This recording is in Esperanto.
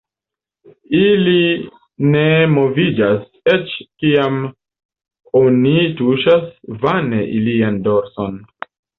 Ili ne moviĝas eĉ kiam oni tuŝas mane ilian dorson.